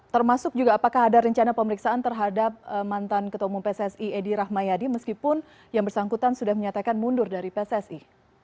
termasuk juga apakah ada rencana pemeriksaan terhadap mantan ketua umum pssi edi rahmayadi meskipun yang bersangkutan sudah menyatakan mundur dari pssi